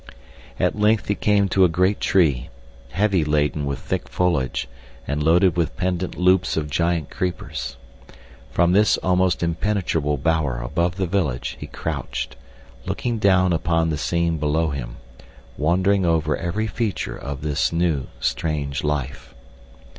At length he came to a great tree, heavy laden with thick foliage and loaded with pendant loops of giant creepers. From this almost impenetrable bower above the village he crouched, looking down upon the scene below him, wondering over every feature of this new, strange life.